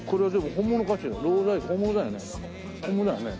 本物だよね？